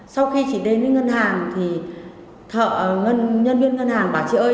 sau khi chị đến với ngân hàng thì thợ nhân viên ngân hàng bảo chị ơi